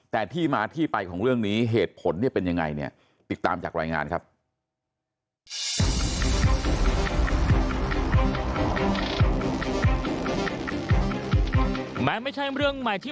แต่ที่มาที่ไปของเรื่องนี้เหตุผลเป็นยังไง